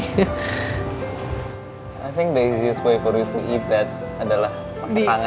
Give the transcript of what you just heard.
aku rasa cara yang paling mudah untuk kamu makan itu adalah pakai tangan